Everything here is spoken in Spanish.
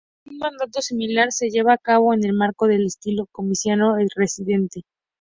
Un mandato similar se lleva a cabo en el marco del estilo Comisionado Residente.